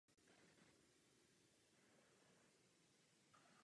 Někdy je považován za první útočnou pušku.